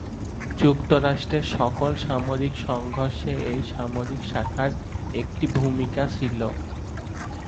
যুক্তরাষ্ট্রের সকল সামরিক সংঘর্ষে এই সামরিক শাখার একটি ভূমিকা ছিলো।